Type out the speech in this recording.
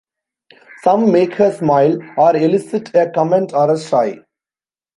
Some make her smile, or elicit a comment or a sigh.